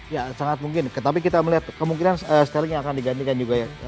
ya sangat mungkin tetapi kita melihat kemungkinan sterling akan digantikan juga ya